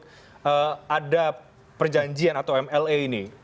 apakah ada perjanjian atau mla ini